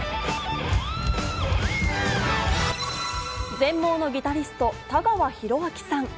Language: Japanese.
全盲のギタリスト・田川ヒロアキさん。